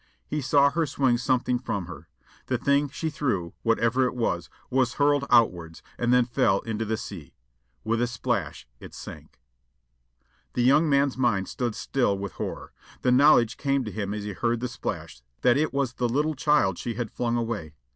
He saw her swing something from her. The thing she threw, whatever it was, was whirled outwards, and then fell into the sea. With a splash, it sank. The young man's mind stood still with horror. The knowledge came to him as he heard the splash that it was the little child she had flung away.